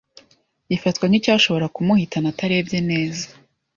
gifatwa nk’icyashoboraga kumuhitana atarebye neza